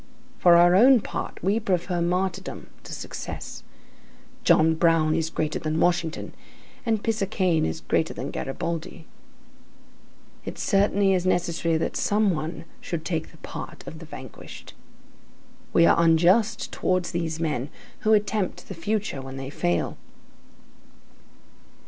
For our own part, we prefer martyrdom to success. John Brown is greater than Washington, and Pisacane is greater than Garibaldi. It certainly is necessary that some one should take the part of the vanquished. We are unjust towards these great men who attempt the future, when they fail.